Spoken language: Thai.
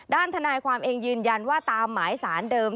ทนายความเองยืนยันว่าตามหมายสารเดิม